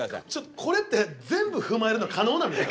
これって全部踏まえるの可能なんですか？